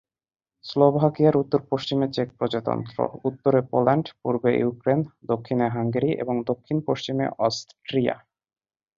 স্লোভাকিয়ার উত্তর-পশ্চিমে চেক প্রজাতন্ত্র, উত্তরে পোল্যান্ড, পূর্বে ইউক্রেন, দক্ষিণে হাঙ্গেরি এবং দক্ষিণ-পশ্চিমে অস্ট্রিয়া।